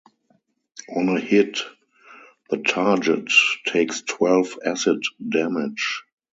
On a hit, the target takes twelve acid damage.